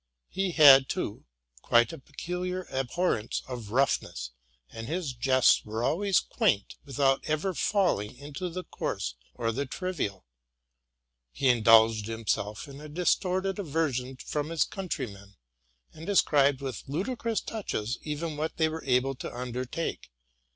He had, too, quite a peculiar abhorrence of roughness; and his jests were always quaint without ever falling into the coarse or the trivial. He in dulged himself in a distorted aversion from his countrymen, and described with Indicrous touches even what they were able to undertake.